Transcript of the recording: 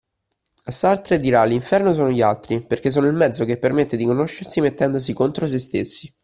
Sartre dirà “l'inferno sono gli altri” perché sono il mezzo che permette di conoscersi mettendosi contro se stessi.